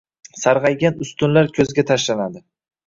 Sarg‘aygan ustunlar ko‘zga tashlanadi.